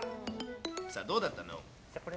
さあ、どうだったの？